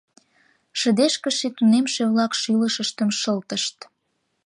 Шыдешкыше тунемше-влак шӱлышыштым шылтышт.